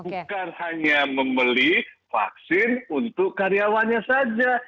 bukan hanya membeli vaksin untuk karyawannya saja